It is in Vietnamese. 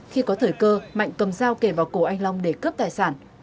khi có thời cơ mạnh cầm dao kể vào cổ anh long để cướp tài sản